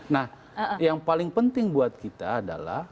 nah yang paling penting buat kita adalah